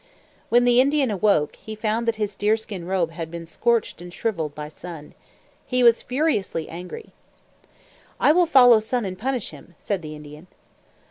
When the Indian awoke, he found that his deerskin robe had been scorched and shriveled by Sun. He was furiously angry. "I will follow Sun and punish him," said the Indian.